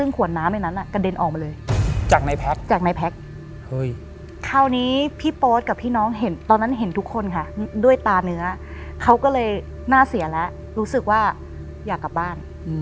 คราวนี้พี่โป๊ชกับพี่น้องเห็นตอนนั้นเห็นทุกคนค่ะด้วยตาเนื้อเขาก็เลยหน้าเสียแล้วรู้สึกว่าอยากกลับบ้าน